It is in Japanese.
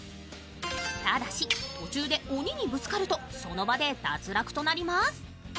ただし、途中で鬼にぶつかると途中で脱落となります。